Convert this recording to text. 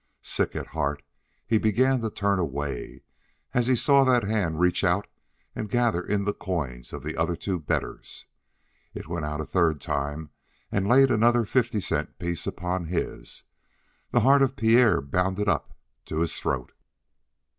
Sick at heart, he began to turn away, as he saw that hand reach out and gather in the coins of the other two bettors. It went out a third time and laid another fifty cent piece upon his. The heart of Pierre bounded up to his throat.